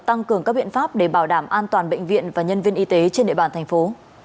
tăng cường các biện pháp để bảo đảm an toàn bệnh viện và nhân viên y tế trên địa bàn thành phố